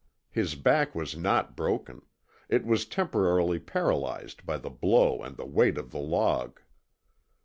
His back was not broken; it was temporarily paralyzed by the blow and the weight of the log.